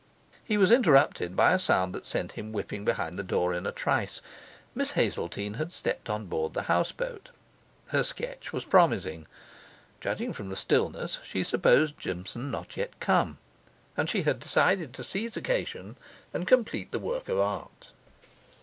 He was interrupted by a sound that sent him whipping behind the door in a trice. Miss Hazeltine had stepped on board the houseboat. Her sketch was promising; judging from the stillness, she supposed Jimson not yet come; and she had decided to seize occasion and complete the work of art.